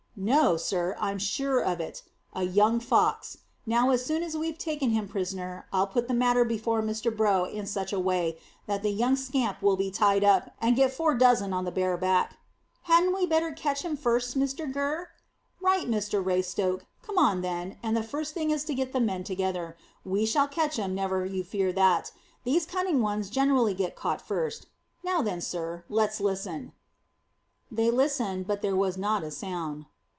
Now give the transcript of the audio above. "No, sir; I'm sure of it. A young fox. Now as soon as we've taken him prisoner, I'll put the matter before Mr Brough in such a way that the young scamp will be tied up, and get four dozen on the bare back." "Hadn't we better catch him first, Mr Gurr?" "Right, Mr Raystoke. Come on then; and the first thing is to get the men together. We shall catch him, never you fear that. These cunning ones generally get caught first. Now then, sir, let's listen." They listened, but there was not a sound.